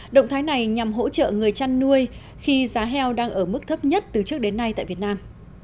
động thái này nhằm hỗ trợ người chăn nuôi khi giá heo đang ở mức thấp nhất từ trước đến nay tại việt nam